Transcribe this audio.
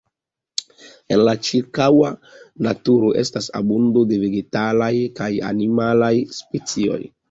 En la ĉirkaŭa naturo estas abundo de vegetalaj kaj animalaj specioj.